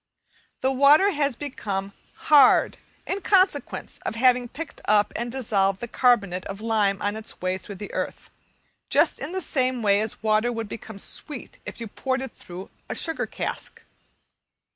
The water has become "hard" in consequence of having picked up and dissolved the carbonate of lime on its way through the earth, just in the same way as water would become sweet if you poured it through a sugar cask.